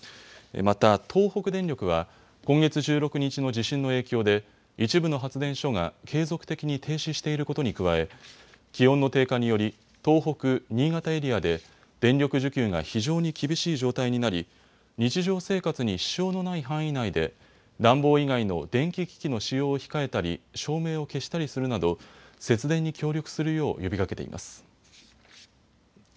また東北電力は今月１６日の地震の影響で一部の発電所が継続的に停止していることに加え気温の低下により東北・新潟エリアで電力需給が非常に厳しい状態になり日常生活に支障のない範囲内で暖房以外の電気機器の使用を控えたり照明を消したりするなど節電に協力するよう呼びかけています。